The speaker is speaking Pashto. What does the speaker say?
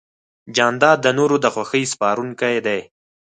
جانداد د نورو د خوښۍ سپارونکی دی.